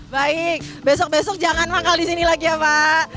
baik besok besok jangan manggal di sini lagi ya pak